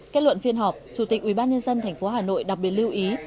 kết luận phiên họp chủ tịch ubnd tp hà nội đặc biệt lưu ý